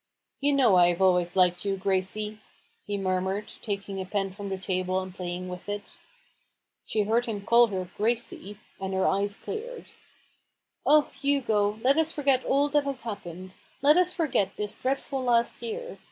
" You know I have always liked you, Grade," he murmured, taking a pen from the table and playing with it. She heard him call her " Gracie," and her eves cleared. «■" Oh, Hugo, let us forget all that has hap pened. Let us forget this dreadfwl last year.